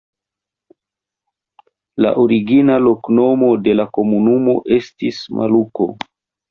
La origina loknomo de la komunumo estis Maluko.